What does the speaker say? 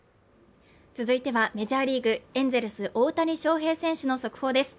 続いてはメジャーリーグエンゼルス大谷翔平選手の速報です